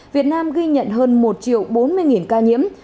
việt nam ghi nhận hơn một triệu bốn mươi ca nhiễm